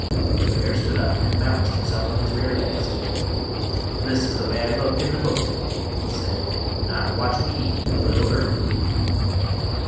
The bear stood up and balanced himself on his rear legs. "This is the way I look in the book," he said. "Now watch me eat the little girl."